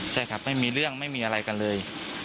ใช่ครับไม่มีเรื่องไม่มีอะไรกันเลย